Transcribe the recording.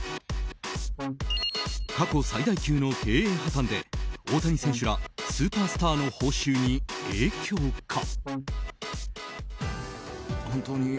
過去最大級の経営破綻で大谷選手らスーパースターの報酬に影響か。